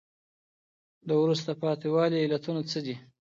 د وروسته پاتي والي علتونه څه دي؟